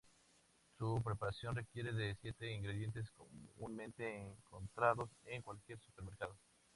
Su preparación requiere de siete ingredientes comúnmente encontrados en cualquier supermercado.